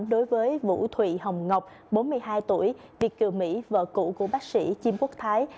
đối với vũ thủy hồng ngọc bốn mươi hai tuổi việt kiều mỹ vợ cụ của bác sĩ chim quốc thái